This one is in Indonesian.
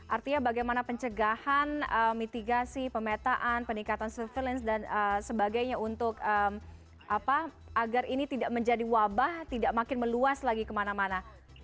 artinya bagaimana pencegahan mitigasi pemetaan peningkatan surveillance dan sebagainya untuk agar ini tidak menjadi wabah tidak makin meluas lagi kemana mana